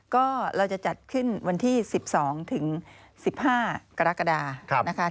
ก็เราจะจัดขึ้นวันที่๑๒ถึง๑๕กรกฎานะคะ